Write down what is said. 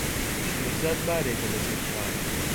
شێرزاد بارێکە لەسەر شانم.